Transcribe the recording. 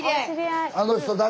あの人誰？